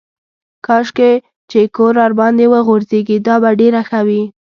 کاشکې چې کور ورباندې وغورځېږي دا به ډېره ښه وي.